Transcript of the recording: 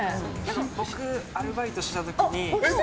僕、アルバイトしてた時に。